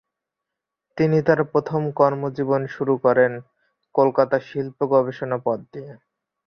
তিনি তার প্রথম কর্মজীবন শুরু করেন কলকাতা শিল্প গবেষণা পদ দিয়ে।